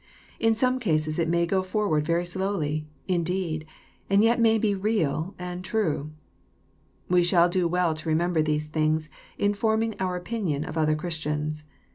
In some cases it may go forward very slowly indeed, and yet may be real and true. We shall do well to remember these things, in forming our opinion of other Christians.